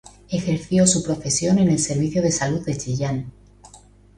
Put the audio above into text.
Ejerció su profesión en el Servicio de Salud de Chillán.